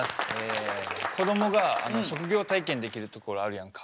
こどもが職業体験できるところあるやんか。